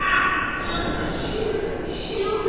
ちょっろしずかにしれおくれ！